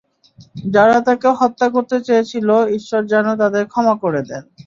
যাঁরা তাঁকে হত্যা করতে চেয়েছিল, ঈশ্বর যেন তাঁদের ক্ষমা করে দেন।